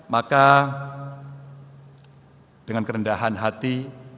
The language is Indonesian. maka dengan kerendahan hati